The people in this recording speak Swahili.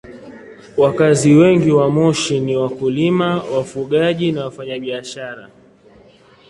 Wakazi wengi wa Moshi ni wakulima, wafugaji na wafanyabiashara.